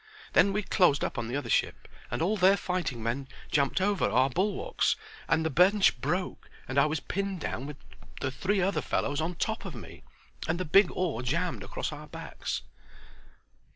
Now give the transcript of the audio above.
Then we closed up on the other ship, and all their fighting men jumped over our bulwarks, and my bench broke and I was pinned down with the three other fellows on top of me, and the big oar jammed across our backs."